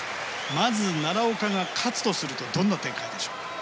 まず奈良岡が勝つとするとどんな展開でしょう？